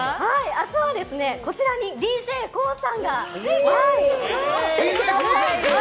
明日はこちらにＤＪＫＯＯさんが来てくださいます！